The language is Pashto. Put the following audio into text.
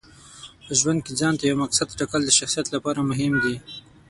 په ژوند کې ځانته یو مقصد ټاکل د شخصیت لپاره مهم دي.